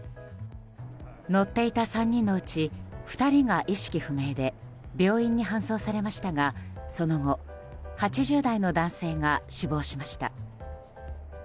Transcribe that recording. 乗っていた３人のうち２人が意識不明で病院に搬送されましたがその後８０代の男性が死亡しました。